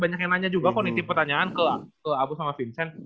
banyak yang nanya juga kok nitip pertanyaan ke abu sama vincent